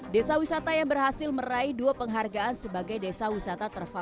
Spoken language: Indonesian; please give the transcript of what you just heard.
desa wisata yang berhasil meraih dua penghargaan sebagai desa wisata terbaik